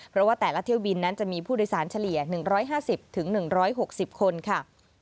เพราะว่าแต่ละเที่ยวบินนั้นจะมีผู้โดยสารเฉลี่ย๑๕๐๑๖๐คนค่ะ